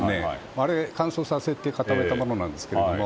あれは乾燥させて固めたものなんですけれども。